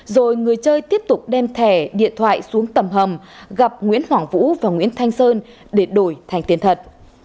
rồi người chơi tiếp tục đem thẻ điện thoại xuống tầm hầm gặp nguyễn hoàng vũ và nguyễn thanh sơn để đổi thành tiền thật